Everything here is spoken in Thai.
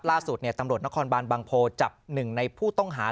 ล่าสุดตำรวจนครบานบางโพจับหนึ่งในผู้ต้องหา